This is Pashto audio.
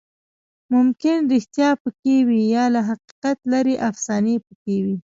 ممکن ریښتیا پکې وي، یا له حقیقت لرې افسانې پکې وي.